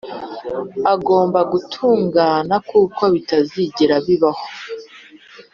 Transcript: agombagutungana kuko bitazigera bibaho